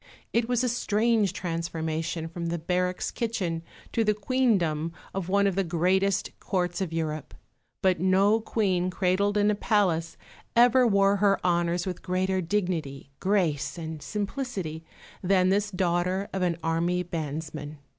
It was a strange transformation from the barracks kitchen to the Queendom of one of the greatest Courts of Europe; but no Queen cradled in a palace ever wore her honours with greater dignity, grace, and simplicity than this daughter of an army bandsman.